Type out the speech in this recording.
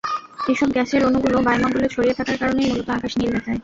এসব গ্যাসের অণুগুলো বায়ুমণ্ডলে ছড়িয়ে থাকার কারণেই মূলত আকাশ নীল দেখায়।